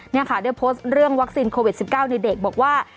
นี่ค่ะได้โพสต์เรื่องวัคซีนโควิด๑๙ในเด็กบอกว่า